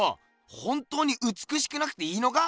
本当にうつくしくなくていいのか？